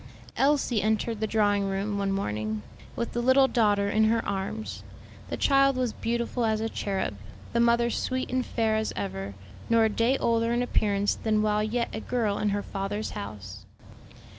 Elsie entered the drawing room one morning, with the little daughter in her arms. The child was beautiful as a cherub, the mother sweet and fair as ever, nor a day older in appearance than while yet a girl in her father's house.